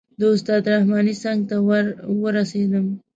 د استاد رحماني څنګ ته ور ورسېدم.